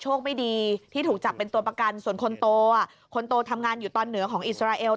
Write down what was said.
ไม่ดีที่ถูกจับเป็นตัวประกันส่วนคนโตคนโตทำงานอยู่ตอนเหนือของอิสราเอล